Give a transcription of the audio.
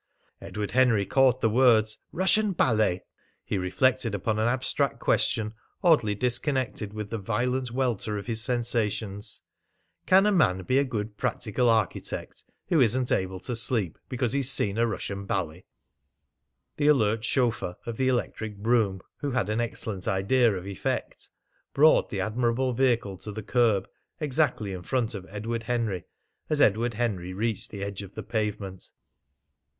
Edward Henry caught the words "Russian ballet." He reflected upon an abstract question oddly disconnected with the violent welter of his sensations: "Can a man be a good practical architect who isn't able to sleep because he's seen a Russian ballet?" The alert chauffeur of the electric brougham, who had an excellent idea of effect, brought the admirable vehicle to the curb exactly in front of Edward Henry as Edward Henry reached the edge of the pavement.